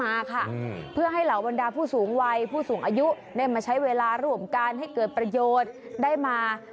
โอ้โหเด็กคนนี้ใส่แว่นดำ